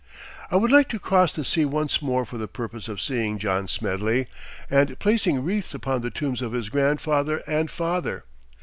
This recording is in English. I would like to cross the sea once more for the purpose of seeing John Smedley, and placing wreaths upon the tombs of his grandfather and father.